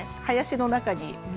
林の中に？